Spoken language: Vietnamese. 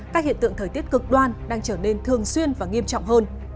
các hiện tượng thời tiết cực đoan đang trở nên thường xuyên và nghiêm trọng hơn